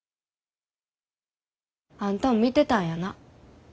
あんたも見てたんやな